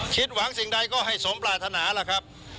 คิดหวังสิ่งใดก็ให้สมปรารถนาล่ะครับ